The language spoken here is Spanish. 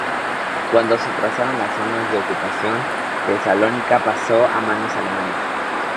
Cuando se trazaron las zonas de ocupación, Tesalónica pasó a manos alemanas.